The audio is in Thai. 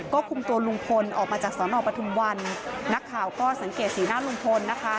ก็คุมตัวลุงพลออกมาจากสอนอปทุมวันนักข่าวก็สังเกตสีหน้าลุงพลนะคะ